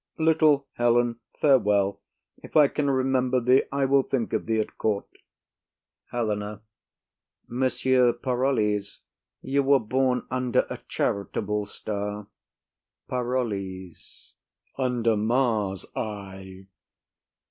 Little Helen, farewell. If I can remember thee, I will think of thee at court. HELENA. Monsieur Parolles, you were born under a charitable star. PAROLLES. Under Mars, I.